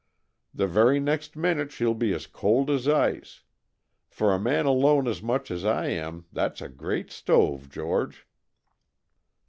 The very next minute she'll be as cold as ice. For a man alone as much as I am that's a great stove, George."